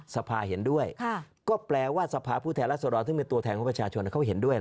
สภาเห็นด้วยก็แปลว่าสภาภูเทราสดรที่มีตัวแทนของประชาชนเขาเห็นด้วยล่ะ